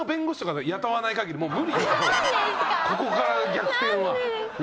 ここから逆転は。